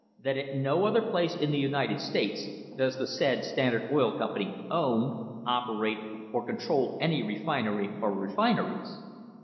That at no other place in the United States does the said Standard Oil Com pany own, operate, or control any refinery or refineries."